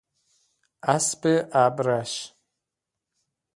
اسب ابرش